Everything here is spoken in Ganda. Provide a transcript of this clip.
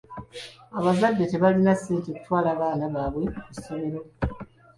Abazadde tebalina ssente kutwala baana baabwe ku ssomero.